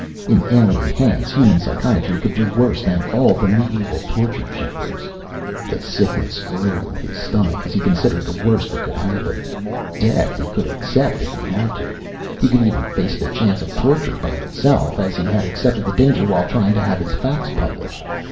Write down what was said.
In alien hands, human psychiatry could do worse than all the medieval torture chambers! The sickness grew in his stomach as he considered the worst that could happen. Death he could accept, if he had to. He could even face the chance of torture by itself, as he had accepted the danger while trying to have his facts published.